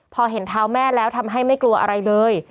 พอเห็นเท้าแม่แล้วทำให้ไม่กลัวอะไรเลย